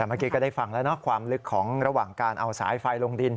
เมื่อกี้ก็ได้ฟังแล้วเนาะความลึกของระหว่างการเอาสายไฟลงดิน